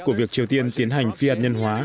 của việc triều tiên tiến hành phi hạt nhân hóa